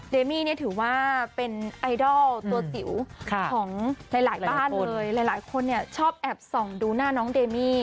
เมมี่เนี่ยถือว่าเป็นไอดอลตัวจิ๋วของหลายหลายบ้านเลยหลายคนเนี่ยชอบแอบส่องดูหน้าน้องเดมี่